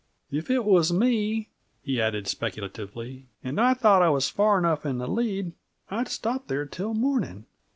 "If it was me," he added speculatively, "and I thought I was far enough in the lead, I'd stop there till morning."